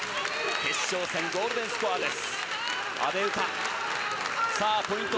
決勝戦ゴールデンスコアです。